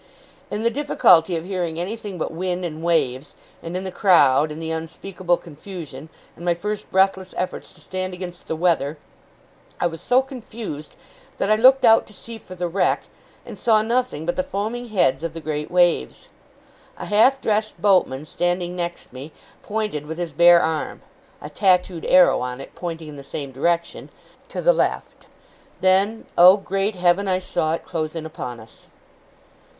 In the difficulty of hearing anything but wind and waves, and in the crowd, and the unspeakable confusion, and my first breathless efforts to stand against the weather, I was so confused that I looked out to sea for the wreck, and saw nothing but the foaming heads of the great waves. A half dressed boatman, standing next me, pointed with his bare arm (a tattoo'd arrow on it, pointing in the same direction) to the left. Then, O great Heaven, I saw it, close in upon us!